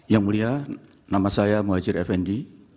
yang mulia nama saya muhajir effendi